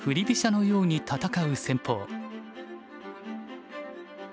飛車のように戦う戦法。